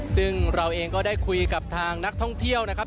ซึ่งเราเองก็ได้คุยกับทางนักท่องเที่ยวนะครับ